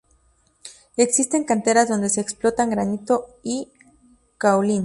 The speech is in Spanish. Existen canteras donde se explotan granito y caolín.